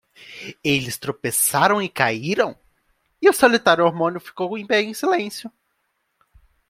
Eles tropeçaram e caíram? e o solitário homónimo ficou de pé em silêncio.